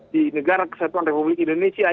di negara kesatuan republik indonesia